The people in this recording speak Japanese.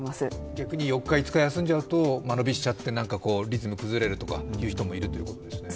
逆に４日、５日休んじゃうと間延びしちゃってリズム崩れるとかいう人もいるということですね。